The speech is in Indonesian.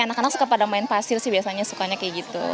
anak anak suka pada main pasir sih biasanya sukanya kayak gitu